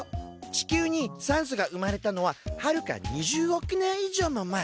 地球に酸素が生まれたのははるか２０億年以上も前。